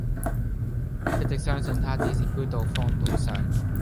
一直相信他只是飄到荒島上